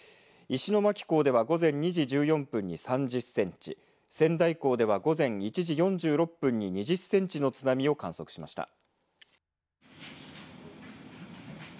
石巻港では午前２時１４分に３０センチ、仙台港では午前１時４６分に２０センチの津波を観測しました。